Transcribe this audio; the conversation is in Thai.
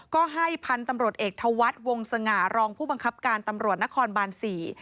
ก็ให้พันธุ์ตำรวจเอกธวัฒน์วงสง่ารองผู้บังคับการตำรวจนครบานสี่